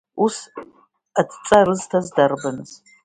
Ус адҵа рызҭаз дарбаныз?